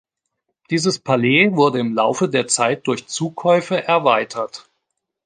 Dieses Palais wurde im Laufe der Zeit durch Zukäufe erweitert.